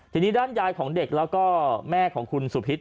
ทีนี้ด้านยายของเด็กแล้วก็แม่ของคุณสุพิษ